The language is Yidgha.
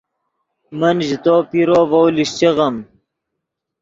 من ژے تو پیرو ڤؤ لیشچیغیم